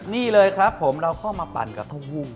นี่เลยครับผมเราก็มาปั่นกับต้องหุ้ง